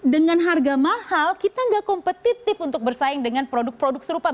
dengan harga mahal kita nggak kompetitif untuk bersaing dengan produk produk serupa